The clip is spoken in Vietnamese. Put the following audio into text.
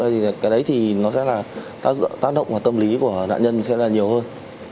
thì cái đấy thì nó sẽ là tác động vào tâm lý của nạn nhân sẽ là nhiều hơn